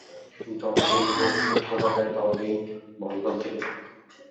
যতদিন ভোগসুখ খোঁজা যায়, ততদিন বন্ধন থেকে যায়।